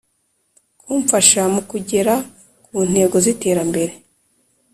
Kumfasha mu kugera ku ntego z’iterambere